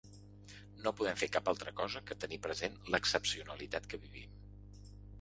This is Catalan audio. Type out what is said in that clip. No podem fer cap altra cosa que tenir present l’excepcionalitat que vivim.